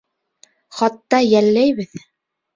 Хатта йәлләйбеҙ...